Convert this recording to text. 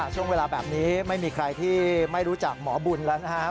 ช่วงเวลาแบบนี้ไม่มีใครที่ไม่รู้จักหมอบุญแล้วนะครับ